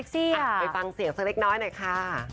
ไปฟังเสียงสักเล็กน้อยหน่อยค่ะ